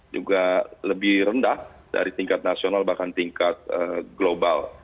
juga lebih rendah dari tingkat nasional bahkan tingkat global